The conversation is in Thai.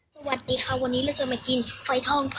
สวัสดีค่ะวันนี้เราจะมากินฝ่อยทอง